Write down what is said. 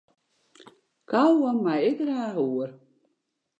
Kaugom mei ik graach oer.